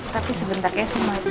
tapi sebentaknya saya mau